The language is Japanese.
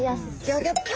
ギョギョッと！